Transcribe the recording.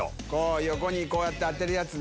横にこうやって当てるやつね。